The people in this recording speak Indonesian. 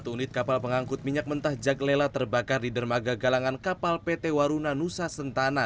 satu unit kapal pengangkut minyak mentah jaklela terbakar di dermaga galangan kapal pt waruna nusa sentana